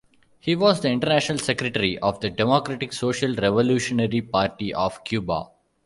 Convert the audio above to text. He was the international secretary of the Democratic Social-Revolutionary Party of Cuba.